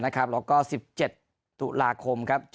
นะครับแล้วก็สิบเจ็ดตุลาคมครับเจอ